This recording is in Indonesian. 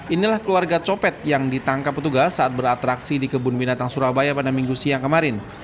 inilah keluarga copet yang ditangkap petugas saat beratraksi di kebun binatang surabaya pada minggu siang kemarin